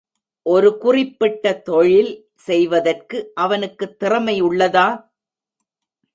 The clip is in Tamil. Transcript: ஒரு குறிப்பிட்ட தொழில் செய்வதற்கு அவனுக்குத் திறமை உள்ளதா?